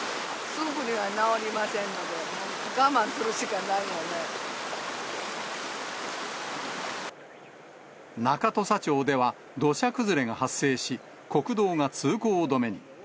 すぐには直りませんので、我慢す中土佐町では、土砂崩れが発生し、国道が通行止めに。